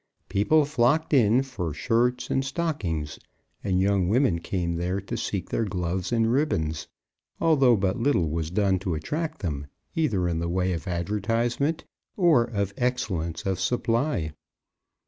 People flocked in for shirts and stockings, and young women came there to seek their gloves and ribbons, although but little was done to attract them, either in the way of advertisement or of excellence of supply.